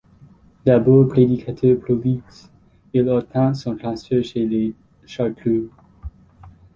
D'abord prédicateur prolixe, il obtint son transfert chez les Chartreux.